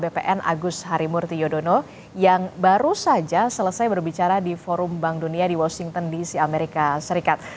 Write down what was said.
bpn agus harimurti yudhoyono yang baru saja selesai berbicara di forum bank dunia di washington dc amerika serikat